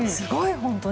本当に。